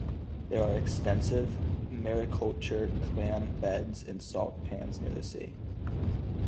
There are extensive mariculture clam beds and salt pans near the sea.